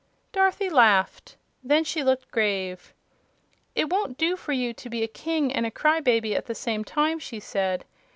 Dorothy laughed. Then she looked grave. "It won't do for you to be a King and a cry baby at the same time," she said.